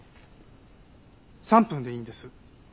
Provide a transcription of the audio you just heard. ３分でいいんです。